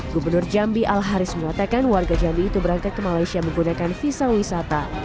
gubernur jambi al haris mengatakan warga jambi itu berangkat ke malaysia menggunakan visa wisata